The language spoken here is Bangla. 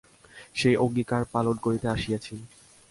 সেই অঙ্গীকার পালন করিতে আসিয়াছি।